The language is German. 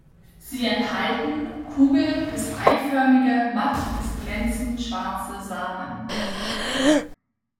Sie enthalten kugel- bis eiförmige, matt bis glänzend schwarze Samen.